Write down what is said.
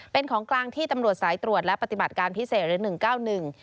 เป็นของกลางที่ตำรวจสายตรวจและปฏิบัติการพิเศษเรื่อง๑๙๑